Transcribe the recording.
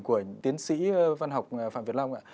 của tiến sĩ văn học phạm việt long